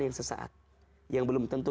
yang sesaat yang belum tentu